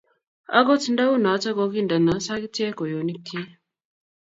Agot ndaunoto kogindeno sagitek kwenyonikchi